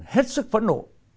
hết sức phẫn nộ